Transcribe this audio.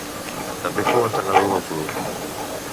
També fou entrenador del club.